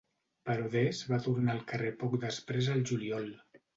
Però Des va tornar al carrer poc després al juliol.